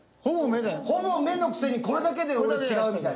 ほぼ「め」のくせにこれだけで俺違うみたいな。